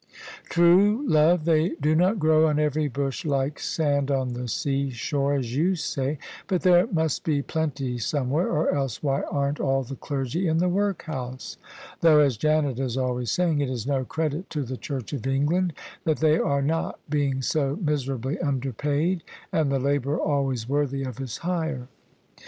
True, love, they do not grow on every bush like sand on the seashore, as you say: but there must be plenty some where, or else why aren't all the clergy in the workhouse? Though, as Janet is always saying, it is no credit to the Church of England that they are not, being so miserably underpaid and the labourer always worthy of his hire.